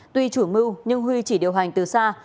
tuy chủ mưu nhưng huy chỉ điều hành từ xa